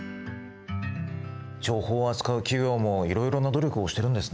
情報を扱う企業もいろいろな努力をしてるんですね。